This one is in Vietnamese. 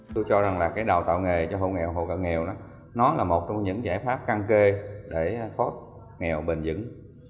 tôi cho rằng đào tạo nghề cho hộ nghèo hộ cần nghèo là một trong những giải pháp căn kê để thoát nghèo bền vững